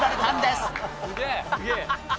すげえ！